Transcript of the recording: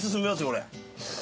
これ。